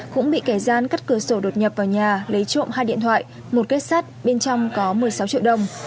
cũng bị kẻ gian cắt cửa sổ đột nhập vào nhà lấy trộm hai điện thoại một kết sắt bên trong có một mươi sáu triệu đồng